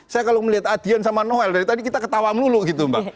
saya kalau melihat adian sama noel dari tadi kita ketawa melulu gitu mbak